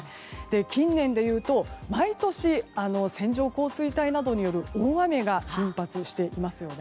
近年でいうと毎年、線状降水帯などによる大雨が頻発していますね。